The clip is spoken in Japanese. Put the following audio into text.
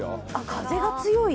風が強い？